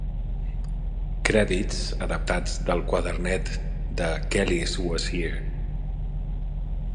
Crèdits adaptats del quadernet de "Kelis Was Here".